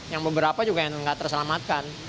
yang beberapa juga yang nggak terselamatkan